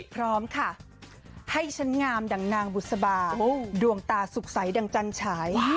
พร้อมค่ะให้ฉันงามดังนางบุษบาดวงตาสุขใสดังจันฉาย